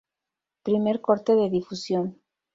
Primer corte de difusión.